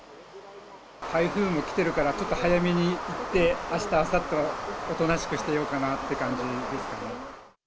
台風も来てるから、ちょっと早めに行って、あした、あさって、おとなしくしてようかなっていう感じですかね。